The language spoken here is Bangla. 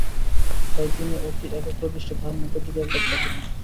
তাই তিনি অতি একাগ্রদৃষ্টে তাহার মুখের দিকে একবার চাহিলেন।